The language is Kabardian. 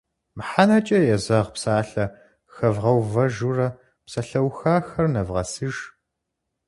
Мыхьэнэкӏэ езэгъ псалъэ хэвгъэувэжурэ псалъэухахэр нэвгъэсыж.